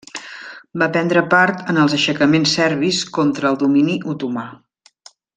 Va prendre part en els aixecaments serbis contra el domini otomà.